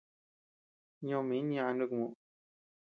Ñoo min ñaʼa nuku muʼu.